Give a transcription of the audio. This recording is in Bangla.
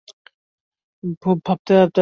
ভূত ভাবতে ভাবতে লোকে ভূত হয়ে যায়।